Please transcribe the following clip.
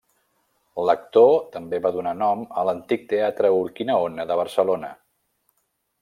L'actor també va donar nom a l'antic Teatre Urquinaona de Barcelona.